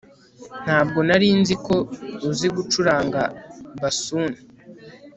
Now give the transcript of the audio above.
ntabwo nari nzi ko uzi gucuranga bassoon